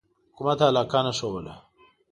حکومت علاقه نه ښودله.